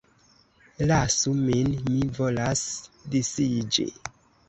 Lasu min, mi volas disiĝi!